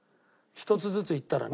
１つずついったらね。